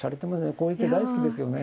こういう手大好きですよね。